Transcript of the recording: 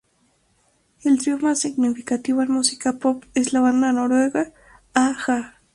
El trío más significativo en música pop es la banda noruega a-ha.